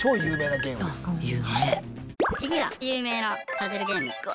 次は有名なパズルゲーム。